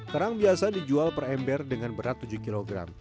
kerang biasa dijual per ember dengan berat tujuh kg